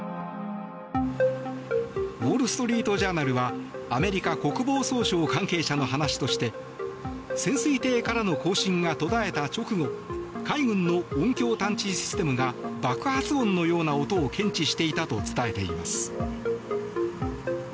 ウォール・ストリート・ジャーナルはアメリカ国防総省関係者の話として潜水艇からの交信が途絶えた直後海軍の音響探知システムが爆発音のようなものを検知していたと伝えています。